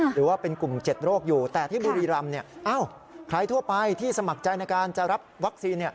หรือว่าเป็นกลุ่ม๗โรคอยู่แต่ที่บุรีรำใครทั่วไปที่สมัครใจในการจะรับวัคซีน